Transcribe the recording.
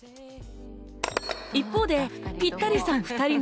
一方でピッタリさん２人の本音は？